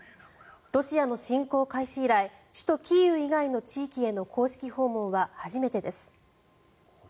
ロシアの侵攻開始以来首都キーウ以外の地域への公式訪問は初めてです。